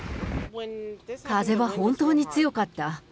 風は本当に強かった。